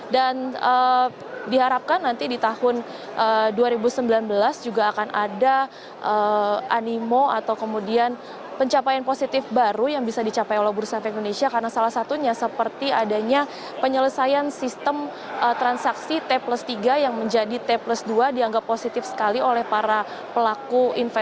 dan diharapkan nanti di tahun dua ribu sembilan belas